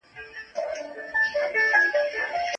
کمپيوټر خرڅ تنظيموي.